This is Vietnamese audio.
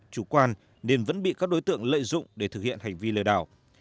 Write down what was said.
chủ quan nên vẫn bị các đối tượng lợi dụng để thực hiện hành vi lừa đảo